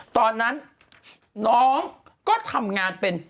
ตอนนั้นน้องก็ทำงานเป็น